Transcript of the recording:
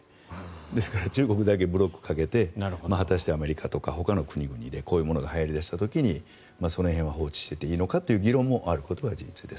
ですから中国だけブロックかけて果たしてアメリカとかほかの国々でこういうものがはやり出した時にその辺は放置していていいのかという議論があることは事実です。